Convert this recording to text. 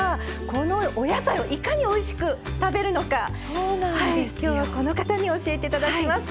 このお野菜をいかにおいしく食べるのかきょうはこの方に教えて頂きます。